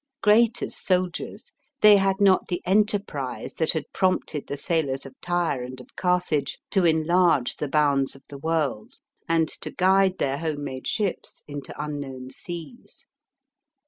Great as soldiers, they had not the enterprise, that had prompted the sailors of Tyre and of Carthage, to enlarge the bounds of the world, and to guide their home made ships, into unknown seas.